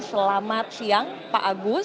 selamat siang pak agus